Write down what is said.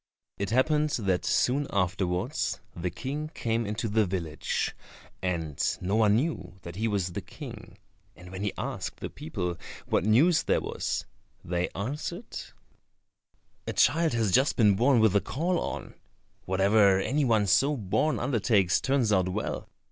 It happened that soon afterwards the King came into the village, and no one knew that he was the King, and when he asked the people what news there was, they answered, "A child has just been born with a caul on; whatever any one so born undertakes turns out well.